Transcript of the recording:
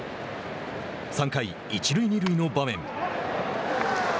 ３回、一塁二塁の場面。